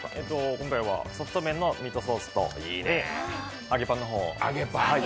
今回はソフト麺ミートソースと揚げパンの方を。